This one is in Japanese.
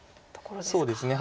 そうですね。